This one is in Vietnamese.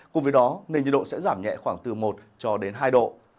cùng với đó nền nhiệt độ sẽ giảm nhẹ khoảng từ một cho đến hai độ